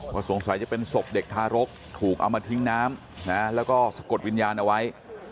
สงสัยจะเป็นศพเด็กทารกถูกเอามาทิ้งน้ำแล้วก็สะกดวิญญาณเอาไว้